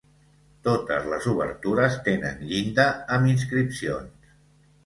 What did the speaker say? Totes les obertures tenen llinda amb inscripcions.